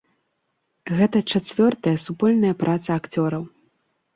Гэта чацвёртая супольная праца акцёраў.